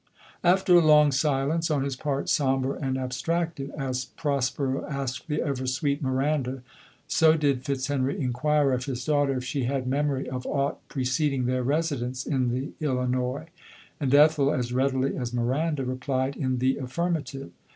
After a long silence, on his part sombre and abstracted — as Prospero asked the ever sweet Miranda, so did Fitzhenry inquire of his daughter, if she had memory of aught pre ceding their residence in the Illinois ? And Ethel, as readily as Miranda, replied in the affirmative.